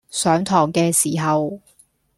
上堂嘅時候